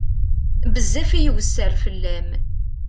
Bezzef i iwesser fell-am.